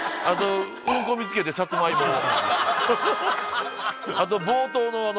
あと冒頭の。